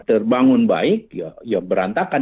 terbangun baik ya berantakan